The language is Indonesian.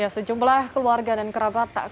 sejumlah keluarga dan kerabat tak kenal